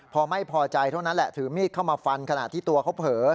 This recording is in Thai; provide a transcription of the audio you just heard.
พอไม่พอใจเท่านั้นแหละถือมีดเข้ามาฟันขณะที่ตัวเขาเผลอ